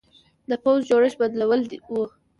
د پوځ د جوړښت بدلول و.